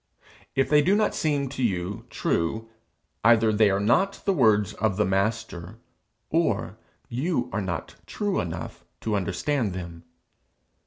If they do not seem to you true, either they are not the words of the Master, or you are not true enough to understand them.